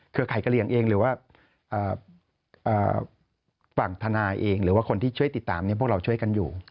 ไข่กะเหลี่ยงเองหรือว่าฝั่งธนายเองหรือว่าคนที่ช่วยติดตามพวกเราช่วยกันอยู่